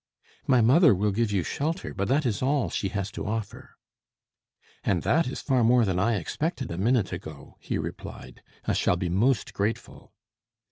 "My mother will give you shelter, but that is all she has to offer." "And that is far more than I expected a minute ago," he replied. "I shall be most grateful."